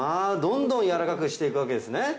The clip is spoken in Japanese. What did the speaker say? どんどんやわらかくして行くわけですね？